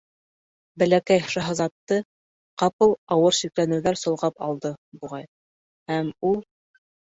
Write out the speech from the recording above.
Бәләкәй шаһзатты ҡапыл ауыр шикләнеүҙәр солғап алды, буғай, һәм ул: